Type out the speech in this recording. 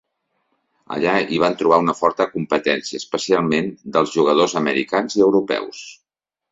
Allà hi van trobar una forta competència, especialment dels jugadors americans i europeus.